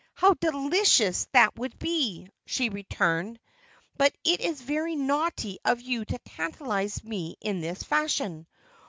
"How delicious that would be!" she returned. "But it is very naughty of you to tantalise me in this fashion.